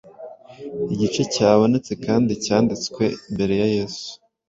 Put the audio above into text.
igice cyabonetse kandi cyanditswe mbere ya Yesu